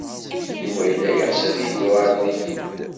Yuba yella yeɣs ad yeddu ɣer din.